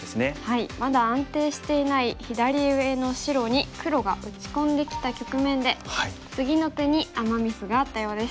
まだ安定していない左上の白に黒が打ち込んできた局面で次の手にアマ・ミスがあったようです。